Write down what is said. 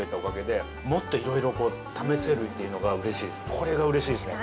これがうれしいですね。